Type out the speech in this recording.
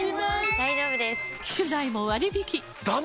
大丈夫です！